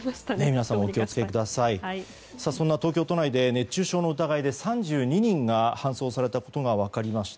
そんな東京都内で熱中症の疑いで３２人が搬送されたことが分かりました。